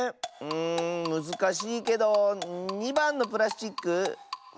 うんむずかしいけど２ばんのプラスチック？